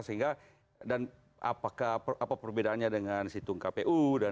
sehingga dan apakah perbedaannya dengan situng kpu